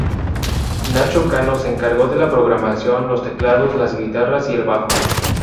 Nacho Cano se encargó de la programación, los teclados, las guitarras y el bajo.